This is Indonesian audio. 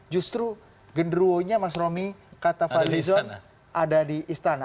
justru genderuwonya mas romy kata fadli zon ada di istana